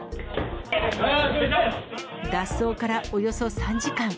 脱走からおよそ３時間。